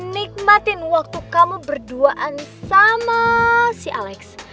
nikmatin waktu kamu berduaan sama si alex